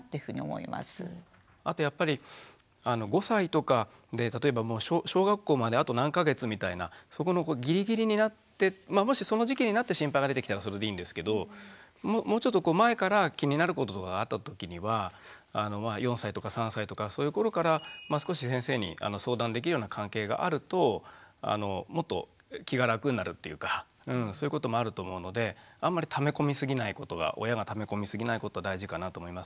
あとやっぱり５歳とかで例えば小学校まであと何か月みたいなそこのギリギリになってまあもしその時期になって心配が出てきたらそれでいいんですけどもうちょっと前から気になることとかあった時には４歳とか３歳とかそういう頃から少し先生に相談できるような関係があるともっと気が楽になるっていうかそういうこともあると思うのであんまりため込みすぎないことが親がため込みすぎないことが大事かなと思いますね。